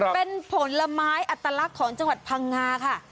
เป็นผลไม้อัตลักษณ์ของจังหวัดพังงาค่ะ